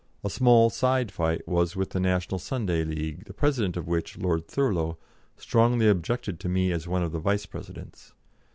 A small side fight was with the National Sunday League, the president of which, Lord Thurlow, strongly objected to me as one of the vice presidents.